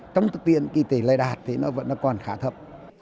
trong thực tiễn kỳ tỷ lây đạt thì nó vẫn còn khá thấp